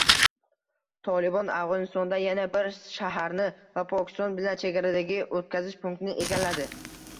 “Tolibon” Afg‘onistonda yana bir shaharni va Pokiston bilan chegaradagi o‘tkazish punktini egalladi